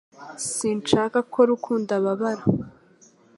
Sinshaka ko rukundo ababara